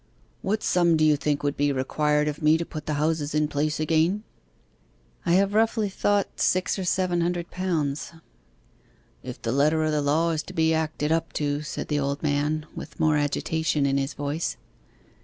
'What sum do you think would be required of me to put the houses in place again?' 'I have roughly thought six or seven hundred pounds.' 'If the letter of the law is to be acted up to,' said the old man, with more agitation in his voice.